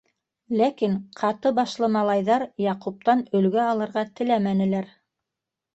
Ләкин ҡаты башлы малайҙар Яҡуптан өлгө алырға теләмәнеләр.